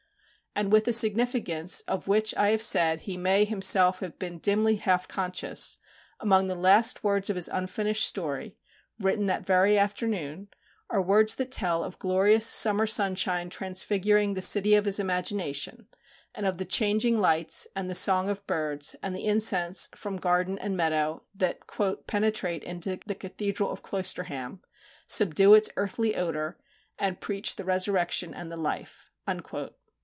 And with a significance, of which, as I have said, he may himself have been dimly half conscious, among the last words of his unfinished story, written that very afternoon, are words that tell of glorious summer sunshine transfiguring the city of his imagination, and of the changing lights, and the song of birds, and the incense from garden and meadow that "penetrate into the cathedral" of Cloisterham, "subdue its earthy odour, and preach the Resurrection and the Life."